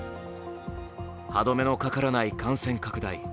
歯止めのかからない感染拡大。